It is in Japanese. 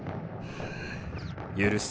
許す。